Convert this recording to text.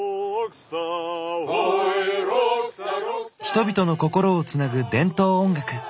人々の心をつなぐ伝統音楽。